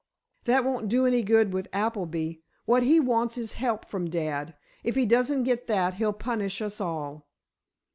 "That won't do any good with Appleby. What he wants is help from dad. If he doesn't get that, he'll punish us all."